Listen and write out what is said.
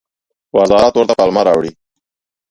وزارت ورته پلمه راوړي.